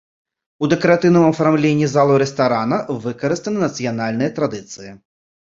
У дэкаратыўным афармленні залаў рэстарана выкарыстаны нацыянальныя традыцыі.